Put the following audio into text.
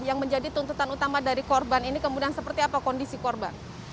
yang menjadi tuntutan utama dari korban ini kemudian seperti apa kondisi korban